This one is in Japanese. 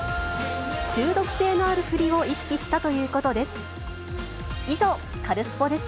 中毒性のある振りを意識したということです。